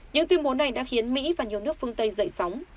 những tuyên bố này đã khiến mỹ và nhiều nước phương tây dậy sóng